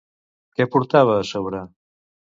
Què portava a sobre?